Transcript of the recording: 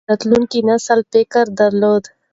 هغه د راتلونکي نسل فکر درلود.